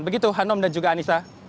begitu hanum dan juga anissa